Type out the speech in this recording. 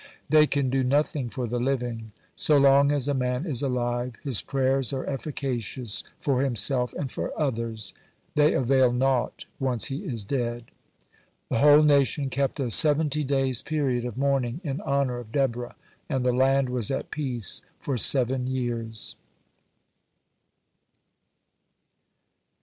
They can do nothing for the living. So long as a man is alive, his prayers are efficacious for himself and for others. They avail naught once he is dead. The whole nation kept a seventy days' period of mourning in honor of Deborah, and the land was at peace for seven years.